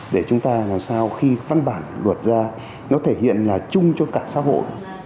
để chúng ta làm sao khi văn bản luật ra nó thể hiện là chung cho cả xã hội